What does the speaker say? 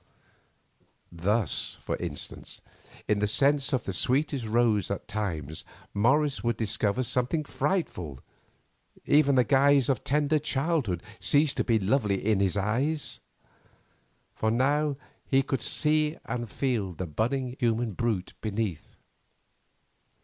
Thus, for instance, in the scent of the sweetest rose at times Morris would discover something frightful; even the guise of tender childhood ceased to be lovely in his eyes, for now he could see and feel the budding human brute beneath.